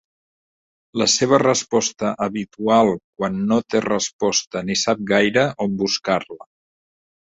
La seva resposta habitual quan no té resposta ni sap gaire on buscar-la.